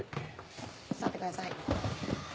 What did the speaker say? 座ってください。